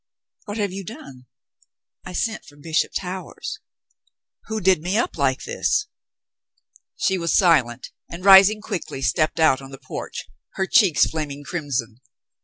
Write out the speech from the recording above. "What have you done ?'* "I sent for Bishop Towers." " Who did me up like this ?" She was silent and, rising quickly, stepped out on the porch, her cheeks flaming crimson.